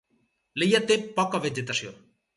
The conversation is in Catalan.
L'illa té poca vegetació.